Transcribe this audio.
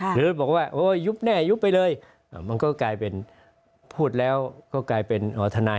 หรือบอกว่าโอ้ยยุบแน่ยุบไปเลยมันก็กลายเป็นพูดแล้วก็กลายเป็นทนาย